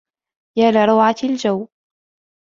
يا لروعة الجوّ!